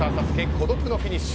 孤独のフィニッシュ。